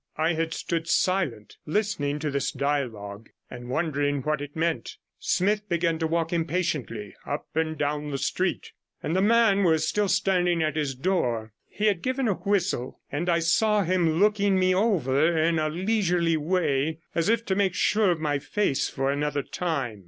I had stood silent, listening to this dialogue and wondering what it meant. Smith began to walk impatiently up and down the street, and the man was still standing at his door. He had given a whistle, and I saw him looking me over in a leisurely way, as if to make sure of my face for another time.